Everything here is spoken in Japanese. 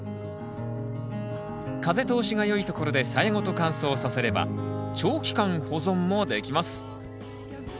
風通しが良いところでさやごと乾燥させれば長期間保存もできます